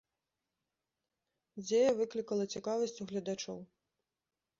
Дзея выклікала цікавасць у гледачоў.